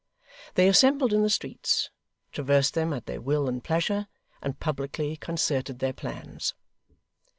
They assembled in the streets, traversed them at their will and pleasure, and publicly concerted their plans.